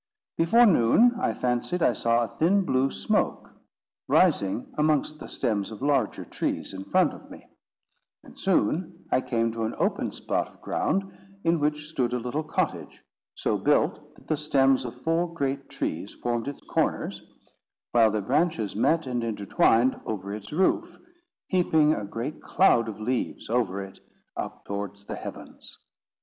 Before noon, I fancied I saw a thin blue smoke rising amongst the stems of larger trees in front of me; and soon I came to an open spot of ground in which stood a little cottage, so built that the stems of four great trees formed its corners, while their branches met and intertwined over its roof, heaping a great cloud of leaves over it, up towards the heavens.